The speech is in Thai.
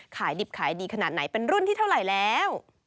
ขายดิบขายดีขนาดไหนเป็นรุ่นที่เท่าไหร่แล้ว